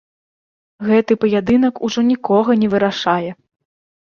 Гэты паядынак ужо нікога не вырашае.